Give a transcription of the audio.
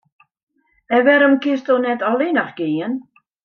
En wêrom kinsto net allinnich gean?